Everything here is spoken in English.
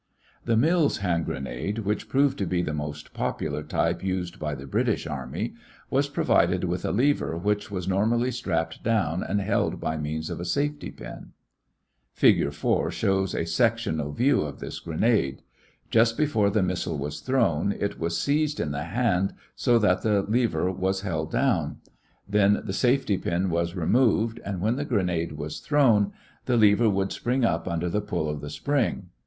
The Mills hand grenade, which proved to be the most popular type used by the British Army, was provided with a lever which was normally strapped down and held by means of a safety pin. Fig. 4 shows a sectional view of this grenade. Just before the missile was thrown, it was seized in the hand so that the lever was held down. Then the safety pin was removed and when the grenade was thrown, the lever would spring up under pull of the spring A.